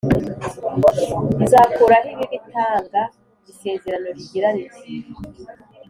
izakuraho ibibi Itanga isezerano rigira riti